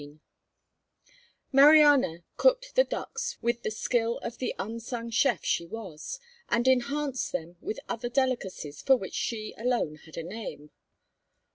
XIII Mariana cooked the ducks with the skill of the unsung chef she was, and enhanced them with other delicacies for which she alone had a name.